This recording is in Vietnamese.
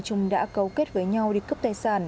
chúng đã cấu kết với nhau đi cấp tài sản